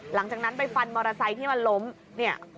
หลังจากนั้นไปฟันมอเตอร์ไซค์ที่มันล้มเนี่ย